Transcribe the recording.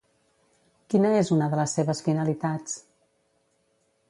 Quina és una de les seves finalitats?